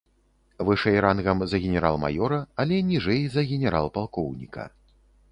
Вышэй рангам за генерал-маёра, але ніжэй за генерал-палкоўніка.